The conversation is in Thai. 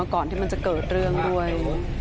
ก่อนที่มันจะเกิดเรื่องด้วย